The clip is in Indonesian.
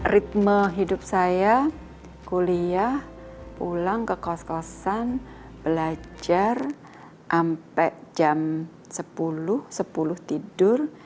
ritme hidup saya kuliah pulang ke kos kosan belajar sampai jam sepuluh sepuluh tidur